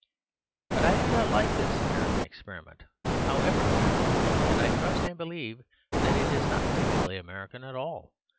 But I do not like this American experiment, how ever American; and I trust and believe that it is not typically American at all.